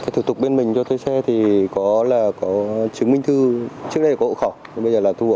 thủ tục bên mình cho thuê xe thì có là có chứng minh thư trước đây là có ổ khỏi bây giờ là thuê xe